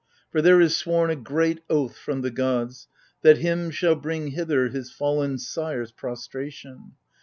For there is sworn a great oath from the gods that Him shall bring hither his fallen sire's prostration.